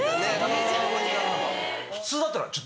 普通だったら。